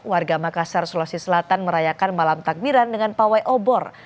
warga makassar sulawesi selatan merayakan malam takbiran dengan pawai obor